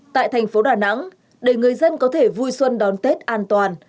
tại thành phố đà nẵng để người dân có thể vui xuân đón tết an toàn